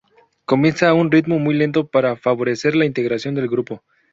Comienza a un ritmo muy lento para favorecer la integración del grupo.